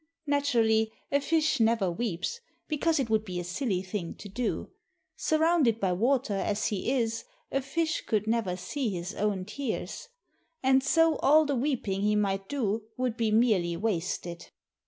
Naturally, a fish never weeps, because it would be a silly thing to do. Surrounded by water as he is, a fish could never see his own tears. And so all the weeping he might do would be merely wasted.